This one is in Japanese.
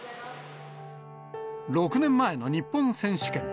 ６年前の日本選手権。